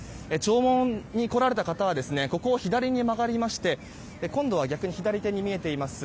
弔問に来られた方はここを左に曲がりまして今度は逆の左手に見えています